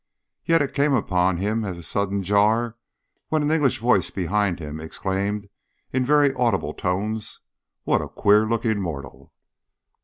Yet it came upon him as a sudden jar when an English voice behind him exclaimed in very audible tones, "What a queer looking mortal!"